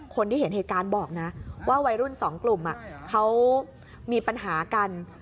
คนที่เห็นเหตุการณ์บอกนะว่าวัยรุ่นสองกลุ่มเขามีปัญหากัน